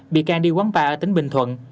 bị can đi quán ba ở tỉnh bình thuận